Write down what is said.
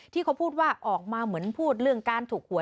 ที่เขาพูดว่าออกมาเหมือนพูดเรื่องการถูกหวย